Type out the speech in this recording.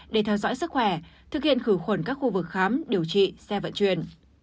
để theo dõi sức khỏe thực hiện khử khuẩn các khu vực khám điều trị xe vận chuyển